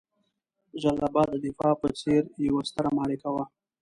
د جلال اباد د دفاع په څېر یوه ستره معرکه وه.